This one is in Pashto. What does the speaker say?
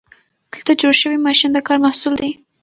دلته جوړ شوی ماشین د کار محصول دی.